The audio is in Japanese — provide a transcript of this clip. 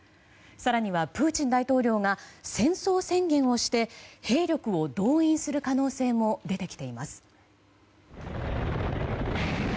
更にはプーチン大統領が戦争宣言をして兵力を動員する可能性も出てきています。